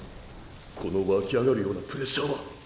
この湧き上がるようなプレッシャーは。